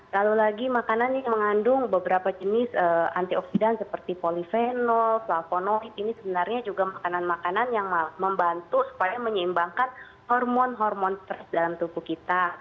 lalu lagi makanan yang mengandung beberapa jenis antioksidan seperti polifenol plavonoid ini sebenarnya juga makanan makanan yang membantu supaya menyeimbangkan hormon hormon stres dalam tubuh kita